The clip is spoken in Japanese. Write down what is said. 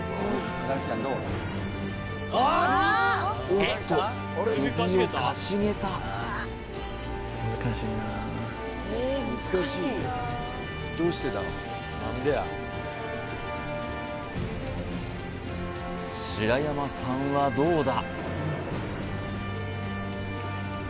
おっと首をかしげた白山さんはどうだ？